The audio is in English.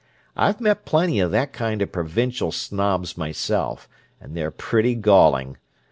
I've met plenty of that kind of provincial snobs myself, and they're pretty galling.